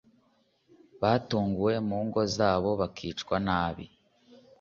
batunguwe mu ngo zabo bakicwa nabi.